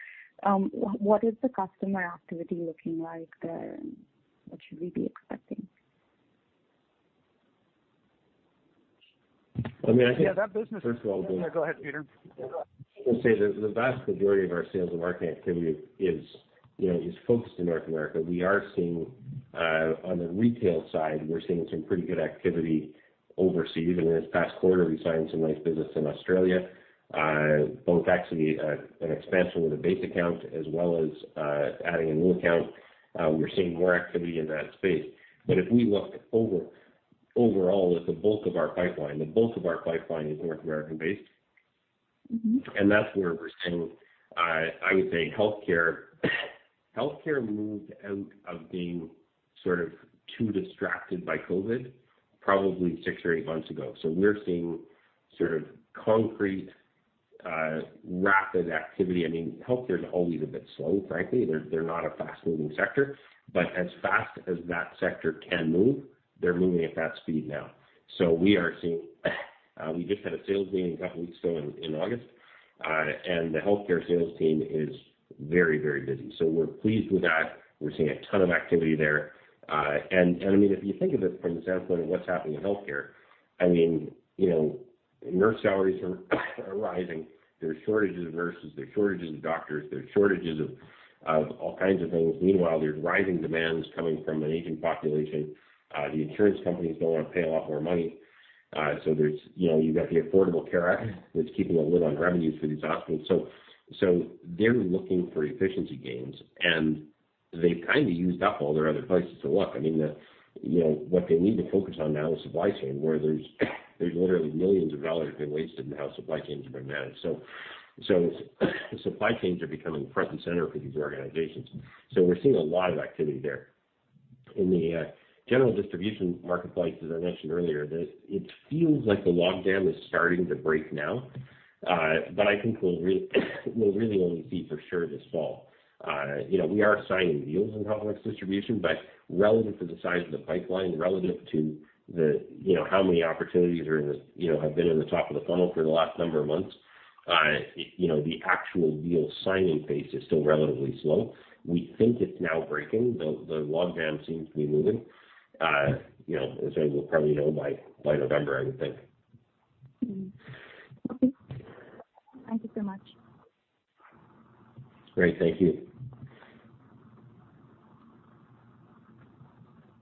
What is the customer activity looking like there, and what should we be expecting? I mean, I think first of all. Yeah, go ahead, Peter. I'll say the vast majority of our sales and marketing activity is, you know, focused in North America. We are seeing on the retail side, we're seeing some pretty good activity overseas. I mean, this past quarter, we signed some nice business in Australia, both actually an expansion with a base account as well as adding a new account. We're seeing more activity in that space. If we look overall at the bulk of our pipeline, the bulk of our pipeline is North American-based. Mm-hmm. That's where we're seeing, I would say healthcare. Healthcare moved out of being sort of too distracted by COVID probably six or eight months ago. We're seeing sort of concrete, rapid activity. I mean, healthcare is always a bit slow, frankly. They're not a fast-moving sector. As fast as that sector can move, they're moving at that speed now. We are seeing. We just had a sales meeting a couple weeks ago in August, and the healthcare sales team is very, very busy. We're pleased with that. We're seeing a ton of activity there. I mean, if you think of it from the standpoint of what's happening in healthcare, I mean, you know, nurse salaries are rising. There are shortages of nurses, there are shortages of doctors, there are shortages of all kinds of things. Meanwhile, there's rising demands coming from an aging population. The insurance companies don't want to pay a lot more money. You've got the Affordable Care Act that's keeping a lid on revenues for these hospitals. They're looking for efficiency gains, and they've kind of used up all their other places to look. I mean, you know, what they need to focus on now is supply chain, where there's literally millions of dollars being wasted in how supply chains are being managed. Supply chains are becoming front and center for these organizations. We're seeing a lot of activity there. In the general distribution marketplace, as I mentioned earlier, it feels like the logjam is starting to break now. I think we'll really only see for sure this fall. You know, we are signing deals in complex distribution, but relative to the size of the pipeline, relative to the, you know, how many opportunities are in the, you know, have been in the top of the funnel for the last number of months, you know, the actual deal signing pace is still relatively slow. We think it's now breaking. The logjam seems to be moving. You know, as I will probably know by November, I would think. Mm-hmm. Okay. Thank you so much. Great. Thank you.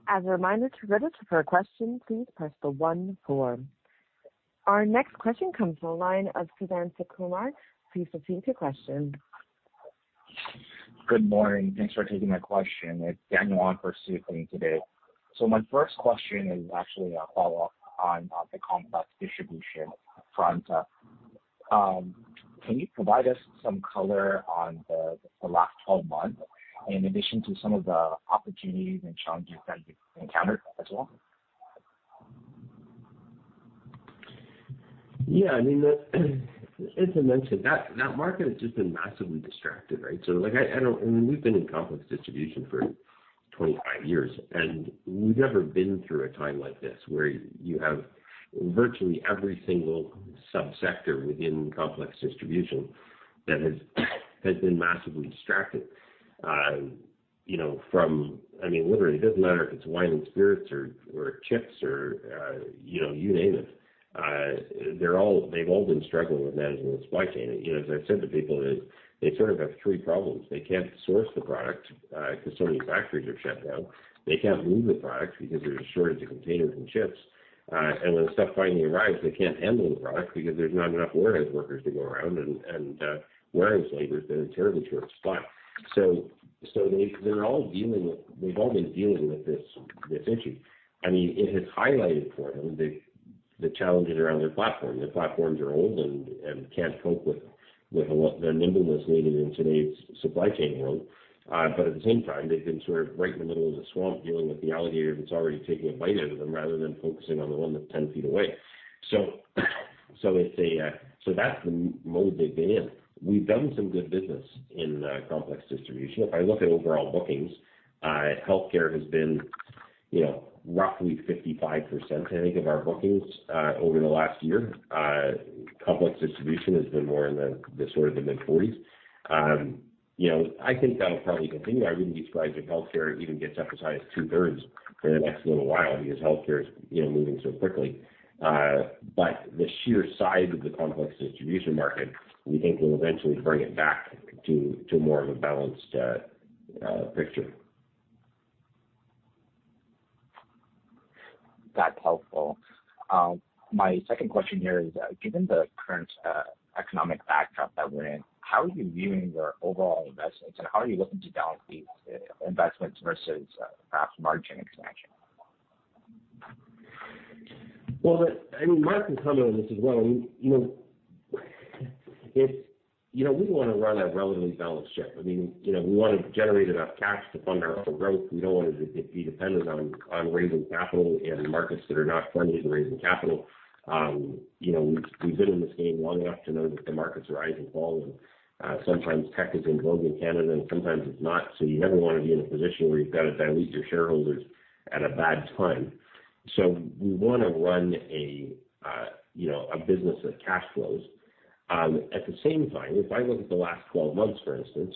As a reminder, to register for a question, please press the one four. Our next question comes from the line of Suthan Sukumar. Please proceed with your question. Good morning. Thanks for taking my question. It's Daniel on for Sukumar today. My first question is actually a follow-up on the complex distribution front. Can you provide us some color on the last 12 months in addition to some of the opportunities and challenges that you've encountered as well? I mean, as I mentioned, that market has just been massively distracted, right? Like I mean, we've been in complex distribution for 25 years, and we've never been through a time like this where you have virtually every single subsector within complex distribution that has been massively distracted. You know, from, I mean, literally, it doesn't matter if it's wine and spirits or chips or, you know, you name it. They're all, they've all been struggling with managing the supply chain. You know, as I've said to people, is they sort of have three problems. They can't source the product because so many factories are shut down. They can't move the product because there's a shortage of containers and ships. When stuff finally arrives, they can't handle the product because there's not enough warehouse workers to go around, and warehouse labor has been in terribly short supply. They're all dealing with this issue. I mean, it has highlighted for them the challenges around their platform. Their platforms are old and can't cope with the nimbleness needed in today's supply chain world. But at the same time, they've been sort of right in the middle of the swamp dealing with the alligator that's already taking a bite out of them rather than focusing on the one that's ten feet away. That's the mode they've been in. We've done some good business in complex distribution. If I look at overall bookings, healthcare has been, you know, roughly 55%, I think, of our bookings over the last year. Complex distribution has been more in the sort of mid-40s. You know, I think that'll probably continue. I wouldn't be surprised if healthcare even gets up as high as 2/3 for the next little while because healthcare is, you know, moving so quickly. The sheer size of the complex distribution market, we think will eventually bring it back to more of a balanced picture. That's helpful. My second question here is, given the current economic backdrop that we're in, how are you viewing your overall investments, and how are you looking to balance the investments versus perhaps margin expansion? Well, I mean, Mark can comment on this as well. I mean, you know, it's, you know, we wanna run a relatively balanced ship. I mean, you know, we wanna generate enough cash to fund our own growth. We don't wanna be dependent on raising capital in markets that are not friendly to raising capital. You know, we've been in this game long enough to know that the markets rise and fall, and sometimes tech is in vogue in Canada, and sometimes it's not. You never wanna be in a position where you've gotta dilute your shareholders at a bad time. We wanna run a, you know, a business of cash flows. At the same time, if I look at the last twelve months, for instance,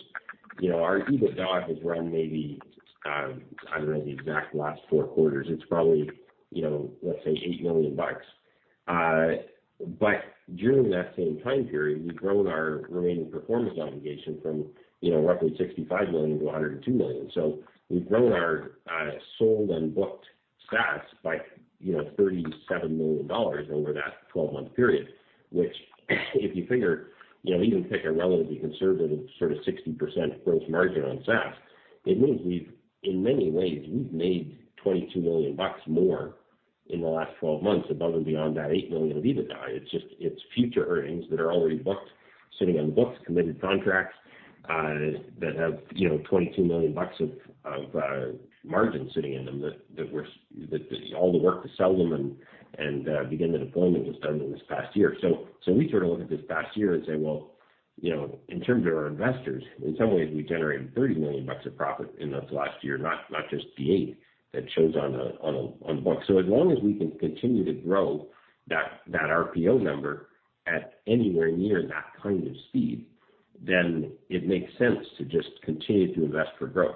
you know, our EBITDA has run maybe I don't know the exact last four quarters, it's probably, you know, let's say 8 million bucks. During that same time period, we've grown our remaining performance obligation from, you know, roughly 65 million to 102 million. We've grown our sold and booked SaaS by, you know, 37 million dollars over that 12-month period, which if you figure, you know, even pick a relatively conservative sort of 60% gross margin on SaaS, it means we've, in many ways, we've made 22 million bucks more in the last twelve months above and beyond that 8 million of EBITDA. It's just, it's future earnings that are already booked, sitting on books, committed contracts that have, you know, 22 million bucks of margin sitting in them that all the work to sell them and begin the deployment was done in this past year. We sort of look at this past year and say, well, you know, in terms of our investors, in some ways we generated 30 million bucks of profit in this last year, not just the 8 million that shows on the books. As long as we can continue to grow that RPO number at anywhere near that kind of speed, then it makes sense to just continue to invest for growth.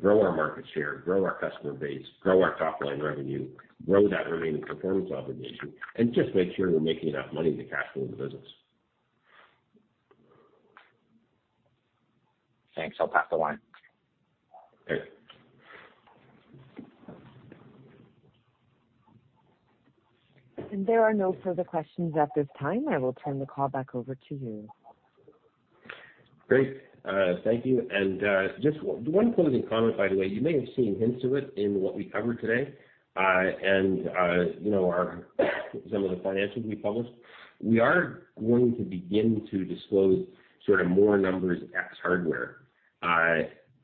Grow our market share, grow our customer base, grow our top-line revenue, grow that remaining performance obligation, and just make sure we're making enough money to cash flow the business. Thanks. I'll pass the line. Okay. There are no further questions at this time. I will turn the call back over to you. Great. Thank you. Just one closing comment, by the way. You may have seen hints to it in what we covered today, and you know, some of the financials we published. We are going to begin to disclose sort of more numbers ex-hardware.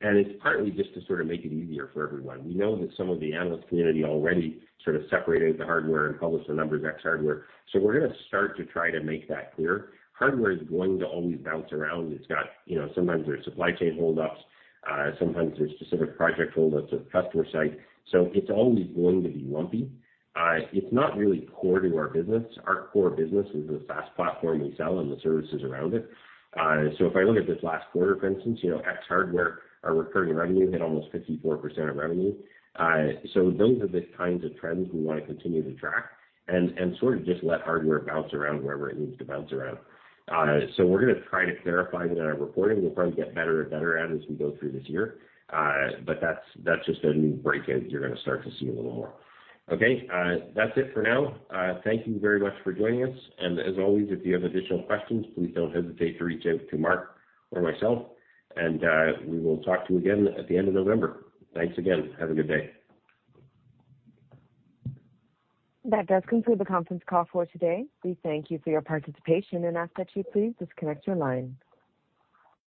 It's partly just to sort of make it easier for everyone. We know that some of the analyst community already sort of separated the hardware and published the numbers ex-hardware. We're gonna start to try to make that clearer. Hardware is going to always bounce around. It's got, you know, sometimes there's supply chain hold-ups, sometimes there's specific project hold-ups at customer site, so it's always going to be lumpy. It's not really core to our business. Our core business is the SaaS platform we sell and the services around it. If I look at this last quarter, for instance, you know ex-hardware, our recurring revenue hit almost 54% of revenue. Those are the kinds of trends we wanna continue to track and sort of just let hardware bounce around wherever it needs to bounce around. We're gonna try to clarify that in our reporting. We'll probably get better and better at it as we go through this year. That's just a new breakout you're gonna start to see a little more. Okay. That's it for now. Thank you very much for joining us. As always, if you have additional questions, please don't hesitate to reach out to Mark or myself. We will talk to you again at the end of November. Thanks again. Have a good day. That does conclude the conference call for today. We thank you for your participation and ask that you please disconnect your line.